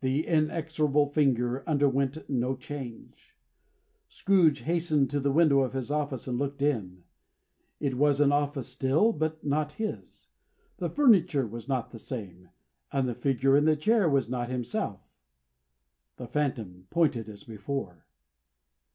The inexorable finger underwent no change. Scrooge hastened to the window of his office, and looked in. It was an office still, but not his. The furniture was not the same, and the figure in the chair was not himself. The Phantom pointed as before.